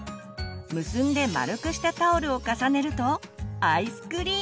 結んで丸くしたタオルを重ねるとアイスクリーム。